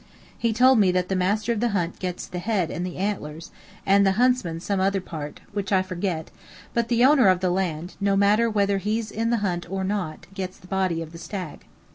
He told me that the master of the hunt gets the head and the antlers, and the huntsman some other part, which I forget, but the owner of the land, no matter whether he's in the hunt or not, gets the body of the stag.